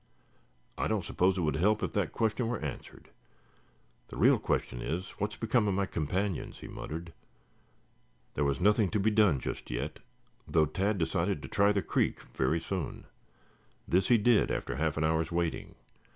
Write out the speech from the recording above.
I don't suppose it would help if that question were answered. The real question is, what has become of my companions?" he muttered. There was nothing to be done just yet, though Tad decided to try the creek very soon. This he did after half an hour's waiting.